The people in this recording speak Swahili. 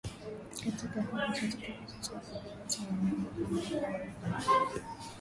Katika Hali zote kabisa chaguzi zote ni vyombo vya mabeberu kuwakandamiza wananchi